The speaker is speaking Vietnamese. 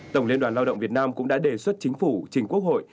tổng liên đoàn lao động việt nam cũng đã đề xuất chính phủ trình quốc hội